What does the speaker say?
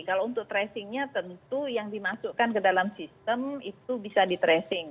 kalau untuk tracingnya tentu yang dimasukkan ke dalam sistem itu bisa di tracing